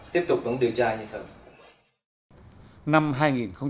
tiếp tục đưa chai như thường